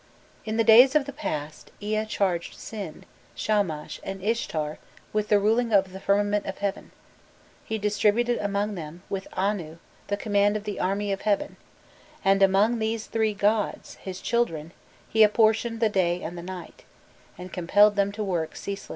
"In the days of the past.... Ea charged Sin, Shamash, and Ishtar with the ruling of the firmament of heaven; he distributed among them, with Anu, the command of the army of heaven, and among these three gods, his children, he apportioned the day and the night, and compelled them to work ceaselessly."